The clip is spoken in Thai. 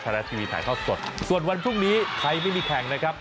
ท้ายละทีวีถ่ายท่อสดส่วนวันพรุ่งนี้ใครไม่มีแข่งนะครับ